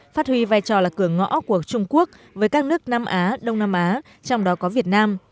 phát huy vai trò là cửa ngõ của trung quốc với các nước nam á đông nam á trong đó có việt nam